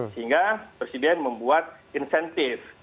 sehingga presiden membuat insentif